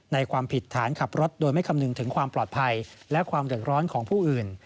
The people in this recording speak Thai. ความผิดฐานขับรถโดยไม่คำนึงถึงความปลอดภัยและความเดือดร้อนของผู้อื่น